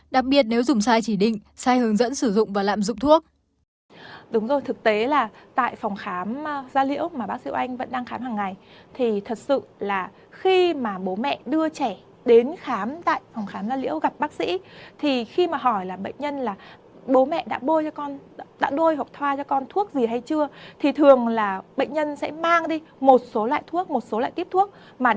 đặc biệt nếu dùng sai chỉ định sai hướng dẫn sử dụng và lạm dụng thuốc